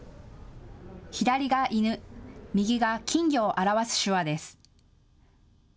左が犬、右が金魚を表す手話です。